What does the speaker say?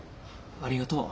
ありがとう。